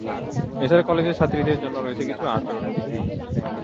এছাড়া কলেজের ছাত্রীদের জন্য রয়েছে কিছু আচরণবিধি।